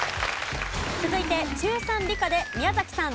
続いて中３理科で宮崎さん